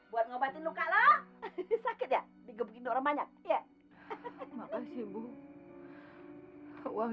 bukanin lagi kamu duduk buah